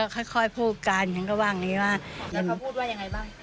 ก็ค่อยค่อยพูดกันฉันก็ว่างงี้ว่าแต่เขาพูดว่ายังไงบ้าง